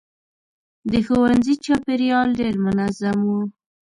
د ښوونځي چاپېریال ډېر منظم و.